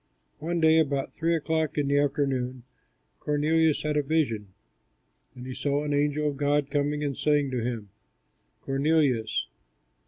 One day, about three o'clock in the afternoon, Cornelius had a vision; and he saw an angel of God coming and saying to him, "Cornelius."